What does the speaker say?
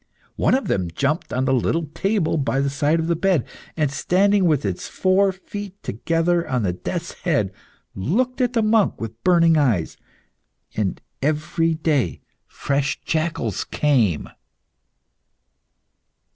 One of them jumped on the little table by the side of the bed, and standing with its four feet together on the death's head, looked at the monk with burning eyes. And every day fresh jackals came.